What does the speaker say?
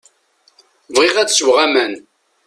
Bɣiɣ ad sweɣ aman.